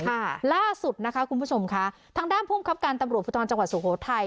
ค่ะล่าสุดนะคะคุณผู้ชมค่ะทางด้านภูมิครับการตำรวจภูทรจังหวัดสุโขทัย